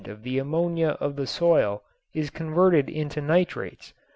of the ammonia of the soil is converted into nitrates.